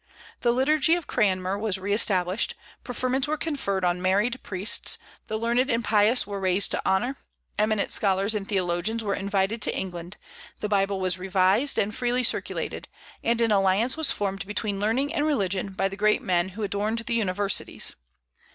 The liturgy of Cranmer was re established, preferments were conferred on married priests, the learned and pious were raised to honor, eminent scholars and theologians were invited to England, the Bible was revised and freely circulated, and an alliance was formed between learning and religion by the great men who adorned the universities.